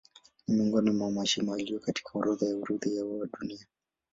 Ni miongoni mwa mashimo yaliyo katika orodha ya urithi wa Dunia.